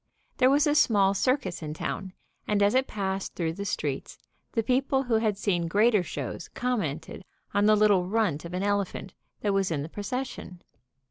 There was a small circus in town, and as it passed through the streets the people who had seen greater shows commented on the little runt of an elephant that was in the procession.